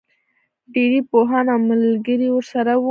ډېری پوهان او ملګري ورسره وو.